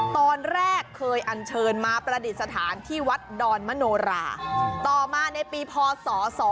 ตอนแรกเคยอันเชิญมาประดิษฐานที่วัดดอนมโนราต่อมาในปีพศ๒๕๖